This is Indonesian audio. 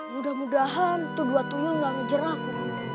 mudah mudahan tuh dua tuyul gak ngejar aku